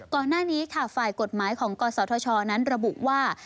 ก่อนหน้านี้ฝ่ายกฎหมายของกฎสทชระบุว่า